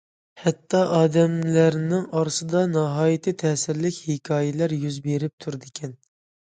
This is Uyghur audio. ھەتتا ئادەملەرنىڭ ئارىسىدا ناھايىتى تەسىرلىك ھېكايىلەر يۈز بېرىپ تۇرىدىكەن.